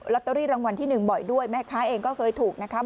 ตเตอรี่รางวัลที่๑บ่อยด้วยแม่ค้าเองก็เคยถูกนะครับ